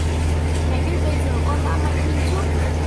Mẹ biết bây giờ con đã mạnh hơn trước